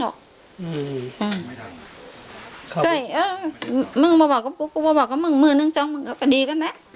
ใช่เออปุ๊บปุ๊บปุ๊ปปุ๊บปุบปุ๊บเนื้อมึงนึงสองมึงสองมึงว่าดีกันน่ะ